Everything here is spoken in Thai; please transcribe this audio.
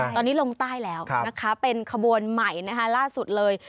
ตอนนี้ลงใต้แล้วเป็นขบวนใหม่ล่าสุดเลย